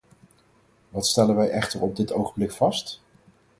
Wat stellen wij echter op dit ogenblik vast?